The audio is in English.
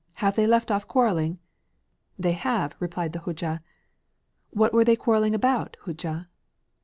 Have they left off quarrelling?' 'They have,' replied the Hodja. 'What were they quarrelling about, Hodja?'